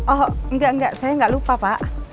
oh enggak enggak saya enggak lupa pak